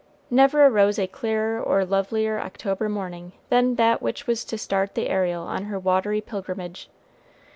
Never arose a clearer or lovelier October morning than that which was to start the Ariel on her watery pilgrimage.